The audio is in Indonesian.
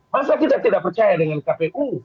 masa kita tidak percaya dengan kpu